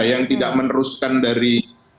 yang tidak meneruskan dari